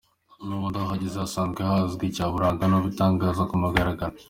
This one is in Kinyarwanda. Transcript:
N’ubundi aho ahagaze hasanzwe hazwi icyaburaga ni ukubitangaza ku mugaragaro.